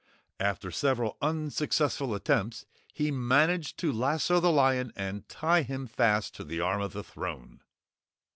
After several unsuccessful attempts he managed to lasso the lion and tie him fast to the arm of the throne.